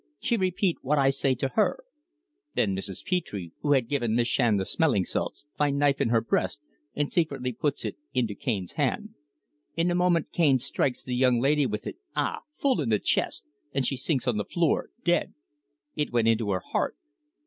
She repeat what I say to her. Then Mrs. Petre, who had given Miss Shand the smelling salts, find knife in her breast and secretly puts it into Cane's hand. In a moment Cane strikes the young lady with it ah! full in the chest and she sinks on the floor dead! It went into her heart.